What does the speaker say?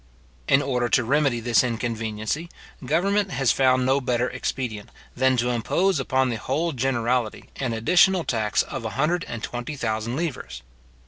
In order to remedy this inconveniency, government has found no better expedient, than to impose upon the whole generality an additional tax of a hundred and twenty thousand livres.